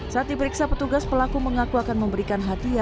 saat diperiksa petugas pelaku mengaku akan memberikan hadiah